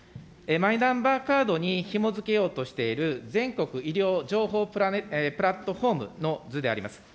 マイナンバーカードにひもづけようとしている、全国医療情報プラットフォームの図であります。